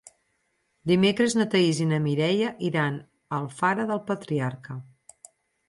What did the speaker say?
Dimecres na Thaís i na Mireia iran a Alfara del Patriarca.